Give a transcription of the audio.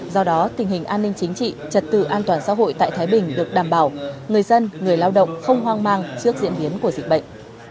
do đó tình hình an ninh chính trị trật tự an toàn xã hội tại thái bình được đảm bảo người dân người lao động không hoang mang trước diễn biến của dịch bệnh